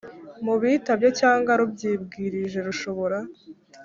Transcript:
mu bitabye cyangwa rubyibwirije rushobora